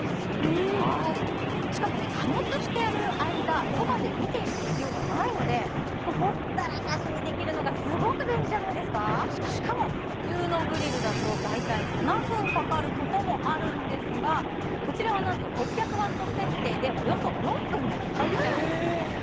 ということでしかもね加熱している間そばで見ている必要がないのでほったらかしにできるのがすごく便利じゃないですかしかも普通のグリルだと大体７分かかることもあるんですがこちらはなんと６００ワット設定でおよそ４分でできちゃうんです早い！